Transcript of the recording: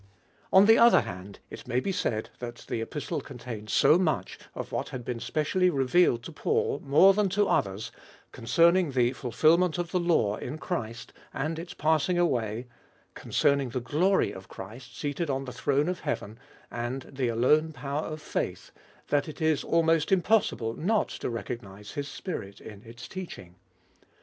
On the other hand, it may be said that the Epistle contains so much of what had been specially revealed to Paul more than to others concerning the fulfilment of the law in Christ and its passing away, concerning the glory of Christ seated on the throne of heaven and the alone power of faith, that it is almost impossible not to recognise his spirit in its teaching.